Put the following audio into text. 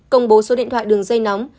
công bố số điện thoại đường dây nóng